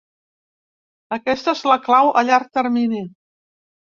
Aquesta és la clau a llarg termini.